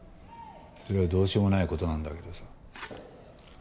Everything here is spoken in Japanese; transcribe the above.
それはどうしようもない事なんだけどさ。